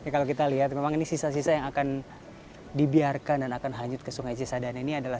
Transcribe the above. kalau kita lihat memang ini sisa sisa yang akan dibiarkan dan akan hanyut ke sungai cisadane ini adalah